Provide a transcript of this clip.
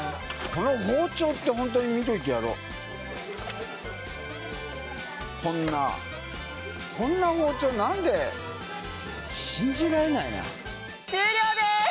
この包丁ってホントに見といてやろうこんなこんな包丁何で終了です